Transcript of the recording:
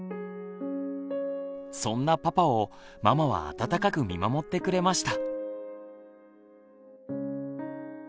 そんなパパをママは温かく見守ってくれました。